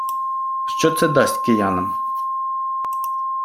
Що це дасть киянам?